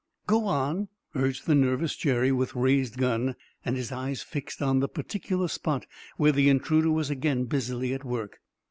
"Go on!" urged the nervous Jerry, with raised gun, and his eyes fixed on the particular spot where the intruder was again busily at work.